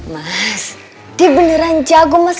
mas di beneran jago mas